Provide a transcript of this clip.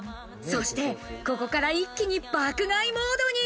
そしてここから一気に爆買いモードに。